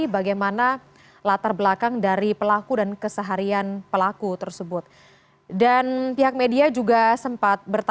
jalan proklamasi jakarta pusat